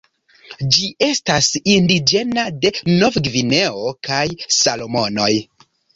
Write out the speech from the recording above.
Ĝi estas indiĝena de Novgvineo kaj Salomonoj.